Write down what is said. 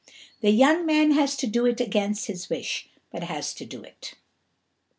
The young man has to do it against his wish, but has to do it.